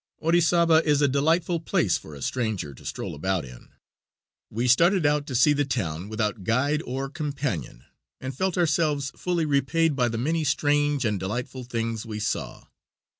Orizaba is a delightful place for a stranger to stroll about in. We started out to see the town without guide or companion, and felt ourselves fully repaid by the many strange and delightful things we saw.